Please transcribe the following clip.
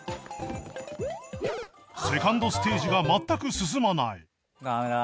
セカンドステージが全く進まない